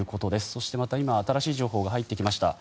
そしてまた今新しい情報が入ってきました。